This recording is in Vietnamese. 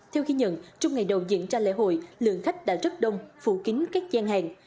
theo ghi nhận trong ngày đầu diễn ra lễ hội lượng khách đã rất đông phủ kính các gian hàng